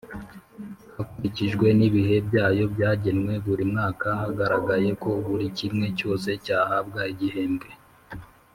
hakurikijwe n’ibihe byayo byagenwe buri mwaka hagaragaye ko buri kimwe cyose cyahabwa igihembwe.